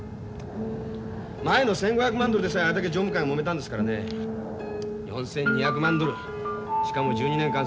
前の１，５００万ドルでさえあれだけ常務会もめたんですからね４，２００万ドルしかも１２年間